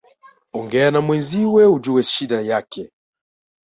Ongea na mwenzio ujue shida yake